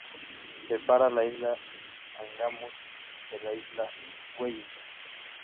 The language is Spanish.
Separa la isla Angamos de la isla Wellington.